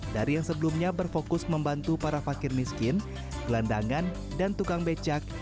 dari yang sebelumnya berfokus membantu para fakir miskin gelandangan dan tukang becak